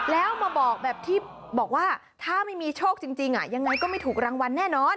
แล้วมาบอกแบบที่บอกว่าถ้าไม่มีโชคจริงยังไงก็ไม่ถูกรางวัลแน่นอน